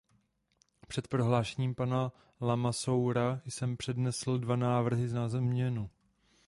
Před prohlášením pana Lamassoura jsem přednesl dva návrhy na změnu.